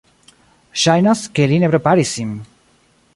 Ŝajnas, ke li ne preparis sin